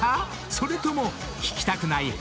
［それとも聞きたくない派？］